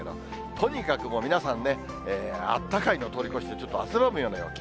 とにかくもう皆さんね、あったかいのを通り越して、ちょっと汗ばむような陽気。